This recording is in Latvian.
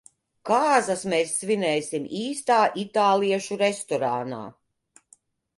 Kāzas mēs svinēsim īstā itāliešu restorānā.